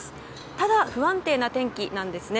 ただ、不安定な天気なんですね。